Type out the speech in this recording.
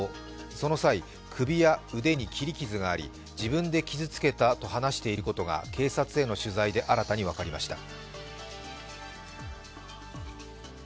その際、首や腕に切り傷があり、自分で傷つけたと話していることが警察への取材で新たに分かりました。